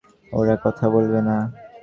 ওরা কথা বলবে না।